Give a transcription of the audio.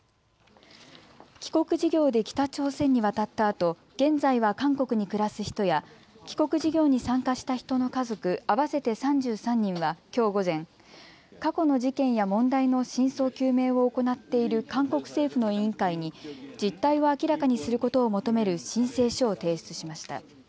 帰国事業で北朝鮮に渡ったあと現在は韓国に暮らす人や帰国事業に参加した人の家族、合わせて３３人はきょう午前、過去の事件や問題の真相究明を行っている韓国政府の委員会に実態を明らかにすることを求める申請書を提出しました。